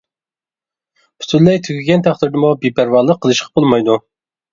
پۈتۈنلەي تۈگىگەن تەقدىردىمۇ، بىپەرۋالىق قىلىشقا بولمايدۇ.